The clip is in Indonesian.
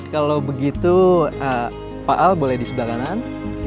kalau begitu pak al boleh di sebelah kanan